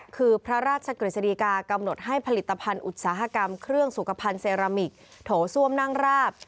คือพระราชกฤษฎีกากำหนดให้ผลิตภัณฑ์อุตสาหกรรมเครื่องสุขภัณฑ์เซรามิกโถส้วมนั่งราบ